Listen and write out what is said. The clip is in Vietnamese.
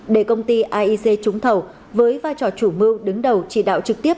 để công ty aic trúng thầu với vai trò chủ mưu đứng đầu chỉ đạo trực tiếp